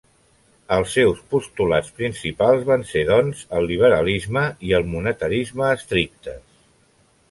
Els seus postulats principals van ser, doncs, el liberalisme i el monetarisme estrictes.